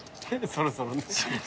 そろそろね。